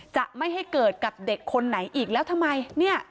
จะไม่ให้เกิดกับเด็กคนไหนอีกแล้วทำไมเนี่ย